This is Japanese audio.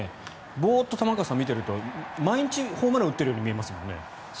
ボーッと見ていると毎日ホームランを打っているように見えますもんね。